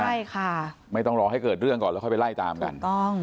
ใช่ค่ะไม่ต้องรอให้เกิดเรื่องก่อนแล้วค่อยไปไล่ตามกันถูกต้อง